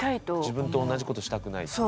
自分と同じことしたくない。